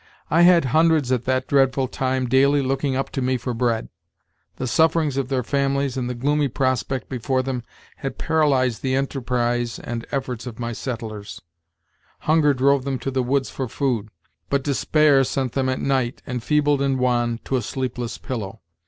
"I had hundreds at that dreadful time daily looking up to me for bread. The sufferings of their families and the gloomy prospect before them had paralyzed the enterprise and efforts of my settlers; hunger drove them to the woods for food, but despair sent them at night, enfeebled and wan, to a sleepless pillow.